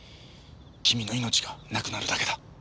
君の命がなくなるだけだ。